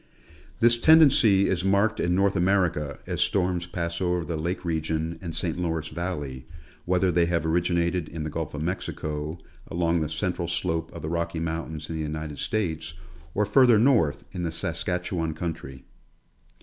This tendency is marked in North Amer ica, as storms pass over the lake region and St. Lawrence valley, whether they' have originated in the Gulf of Mexico, along the central slope of the Rocky mountains in the United States, or further north in the Saskatchewan country.